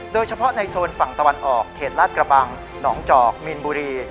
โดยเฉพาะในโซนฝั่งตะวันออกเขตลาดกระบังหนองจอกมีนบุรี